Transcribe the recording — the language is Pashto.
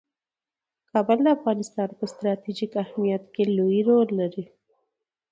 کابل د افغانستان په ستراتیژیک اهمیت کې لوی رول لري.